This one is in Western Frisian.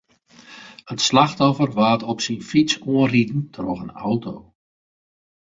It slachtoffer waard op syn fyts oanriden troch in auto.